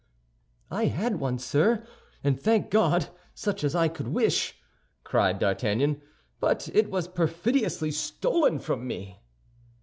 "I had one, sir, and, thank God, such as I could wish," cried D'Artagnan; "but it was perfidiously stolen from me."